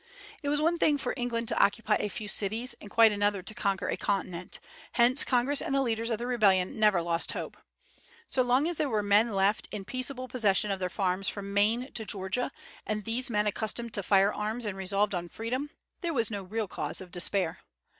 It was one thing for England to occupy a few cities, and quite another to conquer a continent; hence Congress and the leaders of the rebellion never lost hope. So long as there were men left in peaceable possession of their farms from Maine to Georgia, and these men accustomed to fire arms and resolved on freedom, there was no real cause of despair.